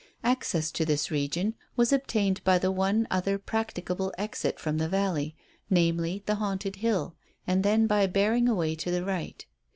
Access to this region was obtained by the one other practicable exit from the valley; namely, the Haunted Hill, and then by bearing away to the right.